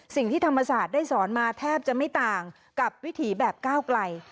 สิ่งที่ธรรมศาสตร์ได้สอนมาแทบจะไม่ต่างกับวิถีแบบก้าวไกล